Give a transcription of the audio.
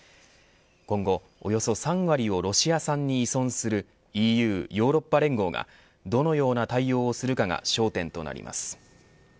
今後、およそ３割をロシア産に依存するＥＵヨーロッパ連合がどのような対応をするかが焦点となります。